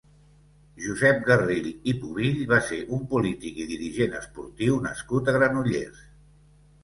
Josep Garrell i Pubill va ser un polític i dirigent esportiu nascut a Granollers.